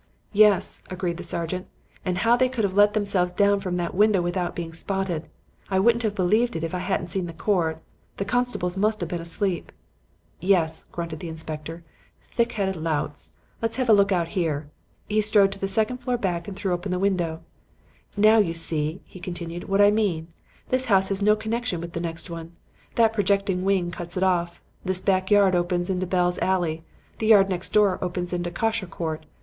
"'Yes,' agreed the sergeant; 'and how they could have let themselves down from that window without being spotted. I wouldn't have believed it if I hadn't seen the cord. The constables must have been asleep.' "'Yes,' grunted the inspector; 'thickheaded louts. Let's have a look out here.' He strode into the second floor back and threw up the window. 'Now you see,' he continued, 'what I mean. This house has no connection with the next one. That projecting wing cuts it off. This back yard opens into Bell's Alley; the yard next door opens into Kosher Court.